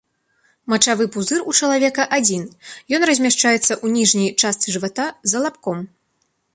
Мачавы пузыр у чалавека адзін, ён размяшчаецца ў ніжняй частцы жывата за лабком.